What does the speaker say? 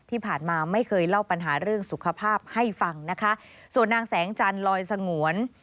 ที่ผ่านมาไม่เคยเล่าปัญหาเรื่องสุขภาพให้ฟังนะคะส่วนนางแสงจันทร์ลอยสงวน